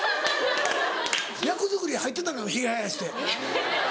役作り入ってたのよヒゲ生やして。